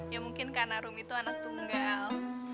ya mungkin karena rum itu anak tunggal